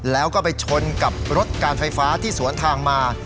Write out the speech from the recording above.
แล้วก็ไปชนกับรถการไฟฟ้าที่สวนทางมา